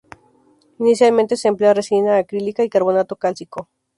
Inicialmente se emplea resina acrílica y carbonato cálcico.